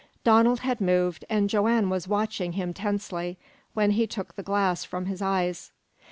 Donald had moved, and Joanne was watching him tensely, when he took the glass from his eyes.